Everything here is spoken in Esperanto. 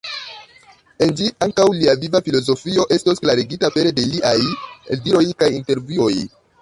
En ĝi ankaŭ lia viva filozofio estos klarigita pere de liaj eldiroj kaj intervjuoj.